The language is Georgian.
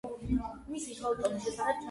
დაამთავრა პაჟთა კორპუსი.